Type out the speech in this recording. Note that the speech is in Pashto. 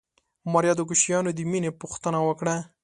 ماريا د کوچيانو د مېنې پوښتنه وکړه.